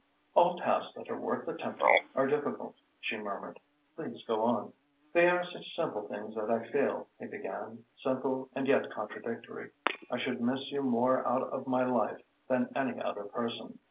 "All tasks that are worth attempting are difficult," she murmured. "Please go on." "They are such simple things that I feel," he began, "simple and yet contradictory. I should miss you more out of my life than any other person.